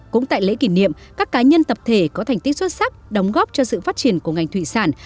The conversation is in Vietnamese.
cũng tại lễ kỷ niệm các cá nhân tập thể có thành tích xuất sắc đóng góp cho sự phát triển của ngành thủy sản